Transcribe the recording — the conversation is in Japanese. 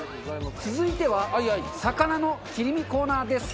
続いては魚の切り身コーナーです。